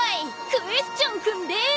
クエスチョン君です！